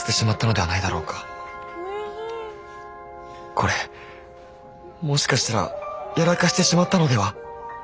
これもしかしたらやらかしてしまったのでは。